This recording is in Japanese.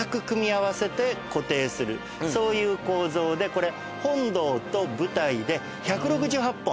そういう構造でこれ。